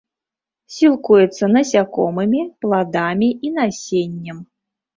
Сілкуецца насякомымі, пладамі і насеннем.